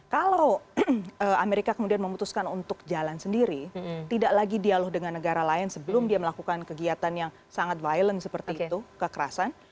kalau amerika kemudian memutuskan untuk jalan sendiri tidak lagi dialog dengan negara lain sebelum dia melakukan kegiatan yang sangat violent seperti itu kekerasan